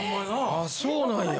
あそうなんや。